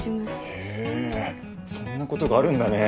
へぇそんなことがあるんだね。